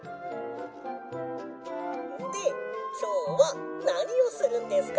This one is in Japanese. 「できょうはなにをするんですか？」。